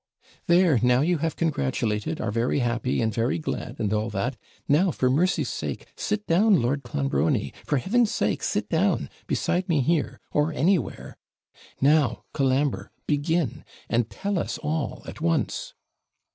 'There, now you have congratulated, are very happy, and very glad, and all that now, for mercy's sake, sit down, Lord Clonbrony! for Heaven's sake, sit down beside me here or anywhere! Now, Colambre, begin; and tell us all at once!'